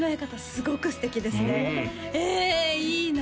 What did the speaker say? すごく素敵ですねえいいな！